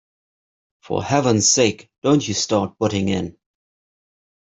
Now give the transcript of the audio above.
For heaven's sake, don't you start butting in.